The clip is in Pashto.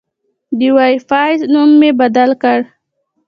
د وای فای نوم مې بدل کړ.